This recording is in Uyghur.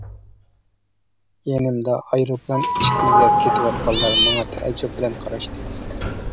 يېنىمدا ئايروپىلان ئىشىكىگە كېتىۋاتقانلار ماڭا تەئەججۈپ بىلەن قاراشتى.